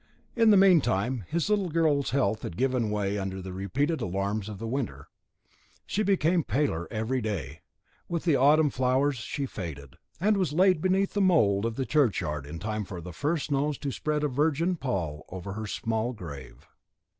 In the meantime, his little girl's health had given way under the repeated alarms of the winter; she became paler every day; with the autumn flowers she faded, and was laid beneath the mould of the churchyard in time for the first snows to spread a virgin pall over her small grave.